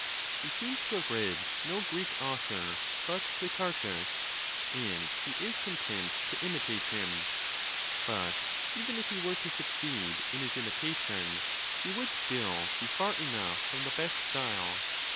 He seems to have read no Greek author but Clitarchus, and he is content to * imitate him; but even if he were to succeed in his imitation, he would still be far enough from the best style.